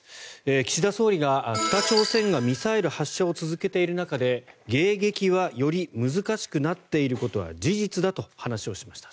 岸田総理が北朝鮮がミサイル発射を続けている中で迎撃はより難しくなっていることは事実だと話をしました。